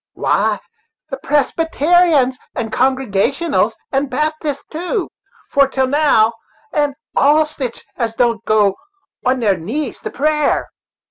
"Why, the Presbyter'ans and Congregationals, and Baptists, too, for til' now; and all sitch as don't go on their knees to prayer."